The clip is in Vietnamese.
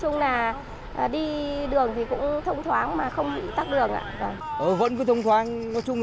nói chung là đi đường thì cũng thông thoáng mà không bị tắt đường ạ